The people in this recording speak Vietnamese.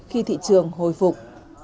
khi thị trường hồi phục